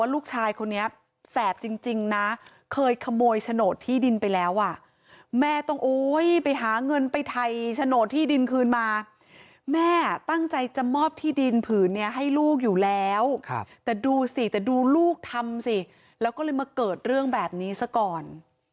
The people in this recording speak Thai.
ลูกชายคนนี้แสบจริงนะเคยขโมยโฉนดที่ดินไปแล้วอ่ะแม่ต้องโอ้ยไปหาเงินไปไทยโฉนดที่ดินคืนมาแม่ตั้งใจจะมอบที่ดินผืนนี้ให้ลูกอยู่แล้วแต่ดูสิแต่ดูลูกทำสิแล้วก็เลยมาเกิดเรื่องแบบนี้ซะก่อน